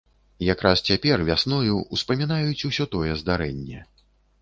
Якраз цяпер, вясною, успамінаюць усё тое здарэнне.